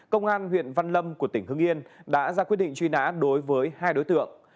công an huyện văn lâm của tỉnh hưng yên đã ra quyết định truy nã đối với hai đối tượng